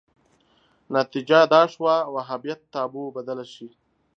نتیجه دا شوه وهابیت تابو بدله شي